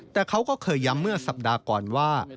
แต่เขาก็เคยย้ำเมื่อสัปดาห์ก่อนว่า